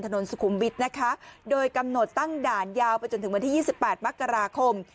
สุขุมวิทย์นะคะโดยกำหนดตั้งด่านยาวไปจนถึงวันที่๒๘มกราคม